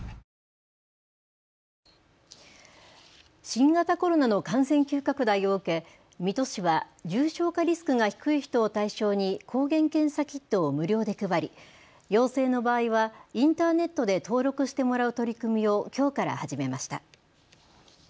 新型コロナの感染急拡大を受け、水戸市は重症化リスクが低い人を対象に抗原検査キットを無料で配り、陽性の場合はインターネットで登録してもらう取り組みをきょうから始めました。